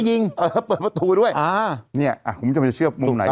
ยิงเออเปิดประตูด้วยอ่าเนี่ยคุณผู้ชมจะเชื่อมุมไหน